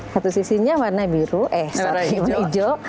satu sisinya warna biru eh warna hijau